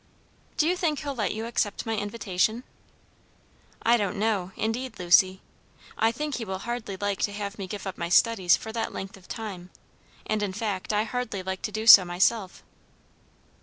"Do you think he'll let you accept my invitation?" "I don't know, indeed, Lucy. I think he will hardly like to have me give up my studies for that length of time, and in fact I hardly like to do so myself."